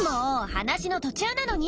話の途中なのに。